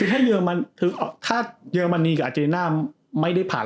ถ้าเยอร์มะนีลูกกับอาเจนดิน่าไม่ได้ผ่านอันต่อ